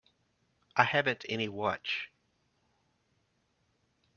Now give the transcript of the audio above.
I haven't any watch.